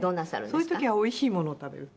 そういう時は美味しいものを食べる。